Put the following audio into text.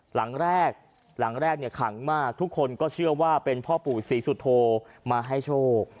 หลังแรกหลังแรกเนี่ยขังมากทุกคนก็เชื่อว่าเป็นพ่อปู่ศรีสุโธมาให้โชค